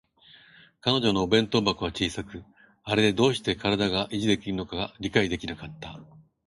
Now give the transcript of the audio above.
彼女のお弁当箱は小さく、あれでどうして身体が維持できるのか理解できなかった